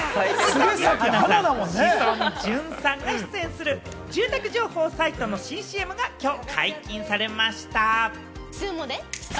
杉咲花さん、志尊淳さんが出演する住宅情報サイトの新ＣＭがきょう解禁されました。